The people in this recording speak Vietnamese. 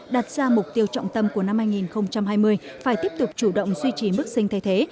đặt ra mục tiêu trọng tâm của năm hai nghìn hai mươi phải tiếp tục chủ động duy trì mức sinh thay thế